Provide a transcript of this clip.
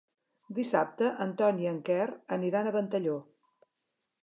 Dissabte en Ton i en Quer aniran a Ventalló.